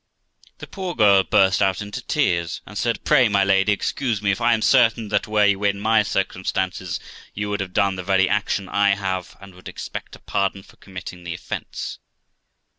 The poor girl burst out into tears, and said 'Pray, my lady, excuse me, for I am certain that were you in my circumstances, you would have done the very action I have, and would expect a pardon for committing the offence.'